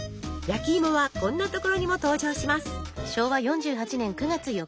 焼きいもはこんな所にも登場します。